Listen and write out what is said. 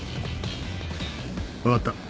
分かった。